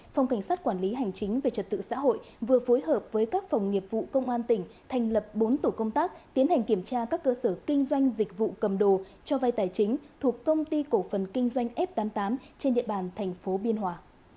phòng cảnh sát quản lý hành chính về trật tự xã hội vừa phối hợp với các phòng nghiệp vụ công an tỉnh thành lập bốn tổ công tác tiến hành kiểm tra các cơ sở kinh doanh dịch vụ cầm đồ cho vai tài chính thuộc công ty cổ phần kinh doanh f tám mươi tám trên địa bàn thành phố biên hòa